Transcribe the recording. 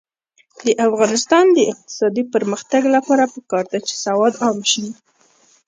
د افغانستان د اقتصادي پرمختګ لپاره پکار ده چې سواد عام شي.